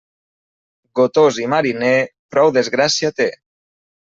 Gotós i mariner, prou desgràcia té.